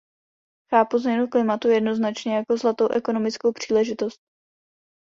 Chápu změnu klimatu jednoznačně jako zlatou ekonomickou příležitost.